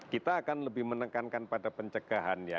kita akan lebih menekankan pada pencegahan ya